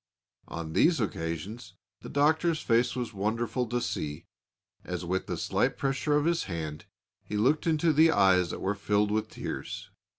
On these occasions the Doctor's face was wonderful to see as, with the silent pressure of his hand, he looked into the eyes that were filled with tears.